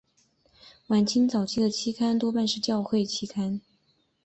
晚清早期的期刊多半是教会期刊。